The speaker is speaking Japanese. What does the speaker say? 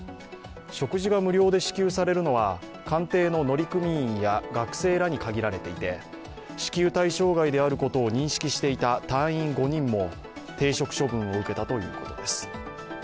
食事が無料で支給されるのは艦艇の乗組員や学生らに限られていて、支給対象外であることを認識していた隊員５人も停職処分を受けたということです。